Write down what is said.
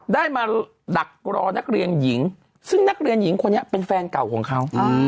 ได้มาดักรอนักเรียนหญิงซึ่งนักเรียนหญิงคนนี้เป็นแฟนเก่าของเขา